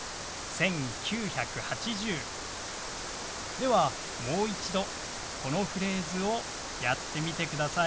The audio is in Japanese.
ではもう一度このフレーズをやってみてください。